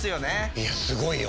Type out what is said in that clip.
いやすごいよ